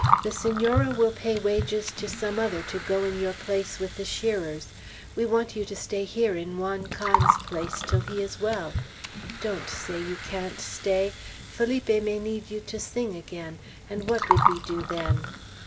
The Senor will pay wages to some other to go in your place with the shearers. We want you to stay here in Juan Can's place till he is well. Don't say you can't stay! Felipe may need you to sing again, and what would we do then?